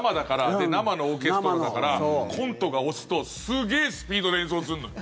で、生のオーケストラだからコントが押すとすげえスピードで演奏するの。